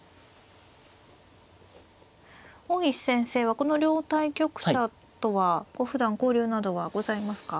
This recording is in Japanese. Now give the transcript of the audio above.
大石先生はこの両対局者とはふだん交流などはございますか。